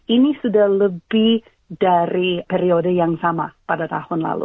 ini sudah lebih dari periode yang sama pada tahun lalu